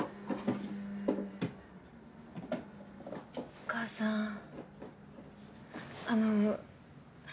お母さんあの私。